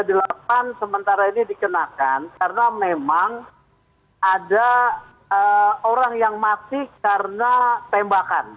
pasal tiga ratus tiga puluh delapan sementara ini dikenakan karena memang ada orang yang mati karena tembakan